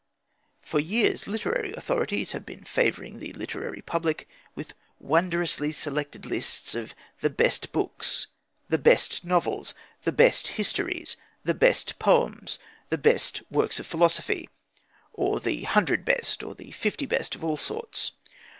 For years literary authorities have been favouring the literary public with wondrously selected lists of "the best books" the best novels, the best histories, the best poems, the best works of philosophy or the hundred best or the fifty best of all sorts.